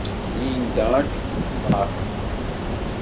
Linda ad k-teṣṣer.